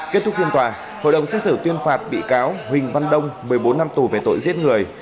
kết thúc phiên tòa hội đồng xét xử tuyên phạt bị cáo huỳnh văn đông một mươi bốn năm tù về tội giết người